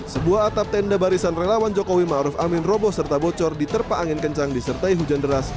sebuah atap tenda barisan relawan jokowi ma'ruf amin robo serta bocor diterpa angin kencang disertai hujan deras